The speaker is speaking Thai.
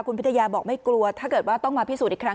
คุณพิทยาบอกไม่กลัวถ้าเกิดว่าต้องมาพิสูจน์อีกครั้ง